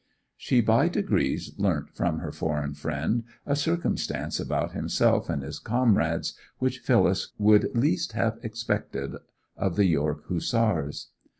She by degrees learnt from her foreign friend a circumstance about himself and his comrades which Phyllis would least have expected of the York Hussars.